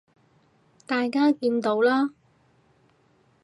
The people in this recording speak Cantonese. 大家見到啦